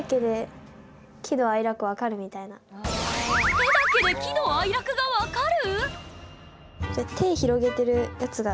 手だけで喜怒哀楽が分かる⁉